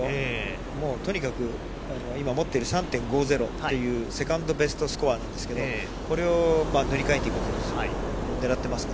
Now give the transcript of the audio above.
とにかく今持っている３．５０というセカンドベストスコアなんですけどこれを塗り替えていくことをねらっています。